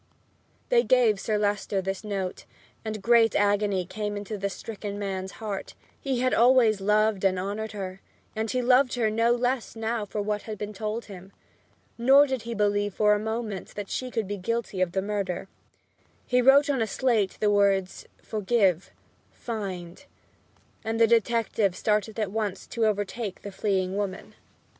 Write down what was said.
They gave Sir Leicester this note, and great agony came to the stricken man's heart. He had always loved and honored her, and he loved her no less now for what had been told him. Nor did he believe for a moment that she could be guilty of the murder. He wrote on a slate the words, "Forgive find," and the detective started at once to overtake the fleeing woman.